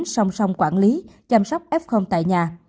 song song quản lý chăm sóc f tại nhà